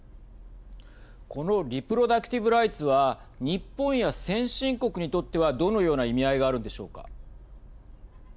このリプロダクティブ・ライツは日本や先進国にとってはどのような意味合いがあるんでしょうか。